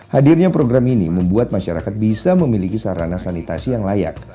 hadirnya program ini membuat masyarakat bisa memiliki sarana sanitasi yang layak